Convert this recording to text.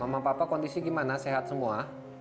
mama papa kondisi gimana sehat semua